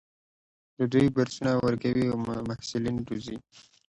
دوی بورسونه ورکوي او محصلین روزي.